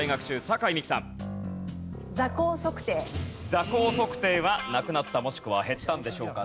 座高測定はなくなったもしくは減ったんでしょうか？